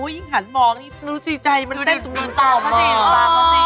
อ๋อยังหันมองรู้สึกใจเหมือนเต็มจุดตาออกมา